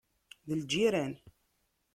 D lǧiran.